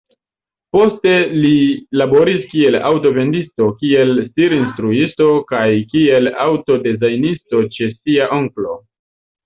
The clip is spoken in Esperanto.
Poste li laboris kiel aŭto-vendisto, kiel stir-instruisto kaj kiel aŭto-dezajnisto ĉe sia onklo.